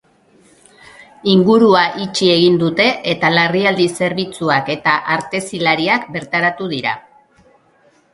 Ingurua itxi egin dute, eta larrialdi zerbitzuak eta artezilariak bertaratu dira.